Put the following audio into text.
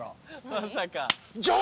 まさか。